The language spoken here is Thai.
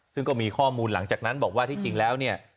ซึ่งก็มีข้อมูลหลังจากนั้นบอกว่าที่จริงแล้วเนี่ย